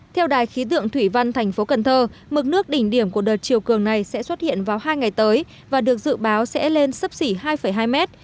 theo đài khí tượng thủy văn thành phố cần thơ mức nước đỉnh điểm của đợt chiều cường này sẽ xuất hiện vào hai ngày tới và được dự báo sẽ lên sấp xỉ hai hai mét